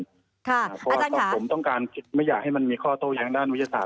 เพราะว่าผมต้องการไม่อยากให้มันมีข้อโต้แย้งด้านวิทยาศาส